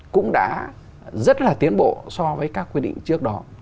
cũng đã rất là tiến bộ so với các quy định trước đó